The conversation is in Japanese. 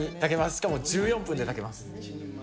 しかも１４分で炊けます。